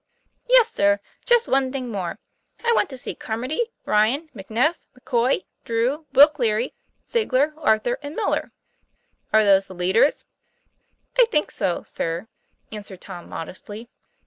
'Yes, sir; just one thing more. I want to see Carmody, Ryan, McNeff, McCoy, Drew, Will Cleary, Ziegler, Arthur, and Miller." "Are those the leaders?" "I think so, sir," answered Tom modestly.